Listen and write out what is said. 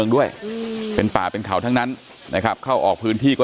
ด้วยเป็นป่าเป็นเขาทั้งนั้นนะครับเข้าออกพื้นที่ก็